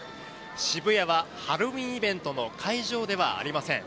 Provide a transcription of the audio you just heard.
渋谷はハロウィーンイベントの会場ではありません。